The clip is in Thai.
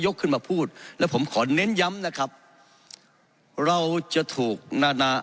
ขึ้นมาพูดและผมขอเน้นย้ำนะครับเราจะถูกนานา